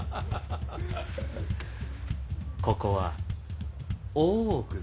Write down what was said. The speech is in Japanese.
ここは大奥ぞ。